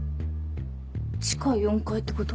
地下４階ってこと？